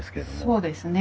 そうですね。